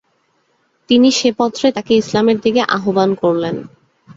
তিনি সে পত্রে তাকে ইসলামের দিকে আহবান করলেন।